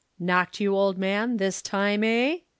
"Knocked you, old man, this time, eh?"